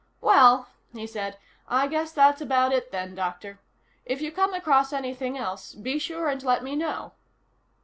"Well," he said, "I guess that's about it, then, Doctor. If you come across anything else, be sure and let me know."